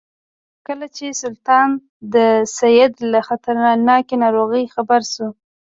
کله چې سلطان د سید له خطرناکې ناروغۍ خبر شو.